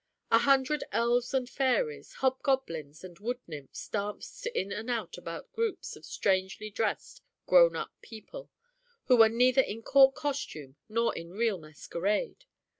A hundred elves and fairies, hobgoblins and wood nymphs danced in and out about groups of strangely dressed grown up people, who were neither in court costume nor in real masquerade.